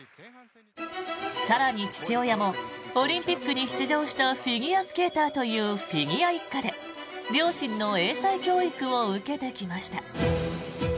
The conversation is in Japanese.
更に父親もオリンピックに出場したフィギュアスケーターというフィギュア一家で両親の英才教育を受けてきました。